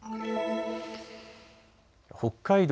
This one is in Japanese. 北海道